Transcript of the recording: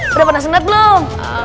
sudah pernah sunat belum